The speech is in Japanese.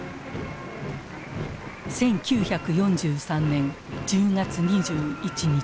１９４３年１０月２１日。